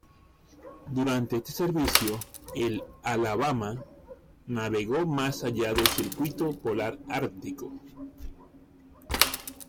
Durante este servicio el "Alabama" navegó más allá del Círculo polar ártico.